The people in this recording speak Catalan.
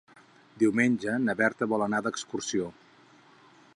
Diumenge na Berta vol anar d'excursió.